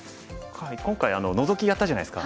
今回ノゾキやったじゃないですか。